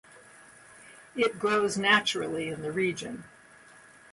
It grows naturally in the region.